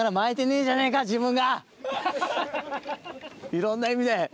いろんな意味で！